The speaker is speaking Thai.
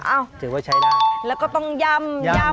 ถือว่าใช้ได้แล้วก็ต้องยำยำ